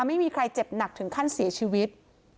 ไม่มีใครเจ็บหนักถึงขั้นเสียชีวิต